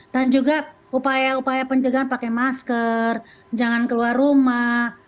dan juga upaya upaya pencegahan pakai masker jangan keluar rumah